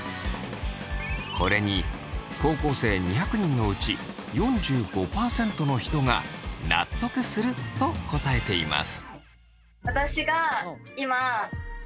これに高校生２００人のうち４５％の人が納得すると答えています。